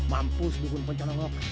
mampus dukung pencanelok